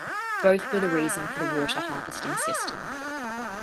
Both were the reason for the water harvesting system.